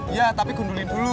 iya tapi gundulin dulu